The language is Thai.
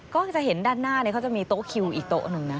ก็จะเห็นด้านหน้าเขาจะมีโต๊ะคิวอีกโต๊ะหนึ่งนะ